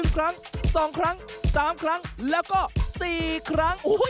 ครั้ง๒ครั้ง๓ครั้งแล้วก็๔ครั้ง